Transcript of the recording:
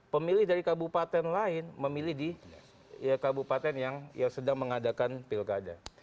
pemilih dari kabupaten lain memilih di kabupaten yang sedang mengadakan pilkada